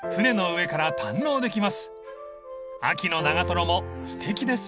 ［秋の長瀞もすてきです］